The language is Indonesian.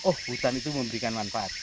oh hutan itu memberikan manfaat